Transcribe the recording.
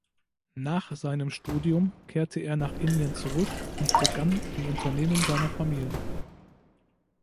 Nach seinem Studium kehrte er nach Indien zurück und begann im Unternehmen seiner Familie.